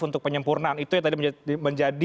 untuk penyempurnaan itu yang tadi menjadi